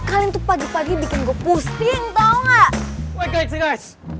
kalian tuh pagi pagi bikin gue pusing tau gak